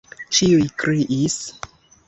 ĉiuj kriis.